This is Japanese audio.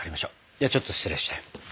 ではちょっと失礼して。